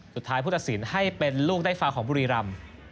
สุดท้ายผู้ตัดสินให้เป็นลูกใดฟ้าของบุรีรัม